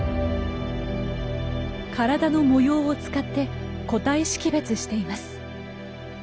体の模様を使って個体識別しています。